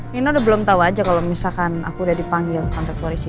nino udah belum tau aja kalau misalkan aku udah dipanggil ke kantor polisi